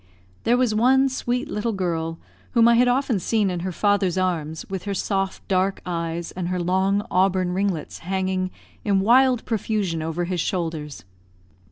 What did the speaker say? There was one sweet little girl, whom I had often seen in her father's arms, with her soft dark eyes, and her long auburn ringlets hanging in wild profusion over his shoulders.